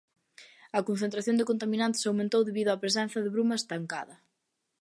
A concentración de contaminantes aumentou debido á presenza de bruma estancada.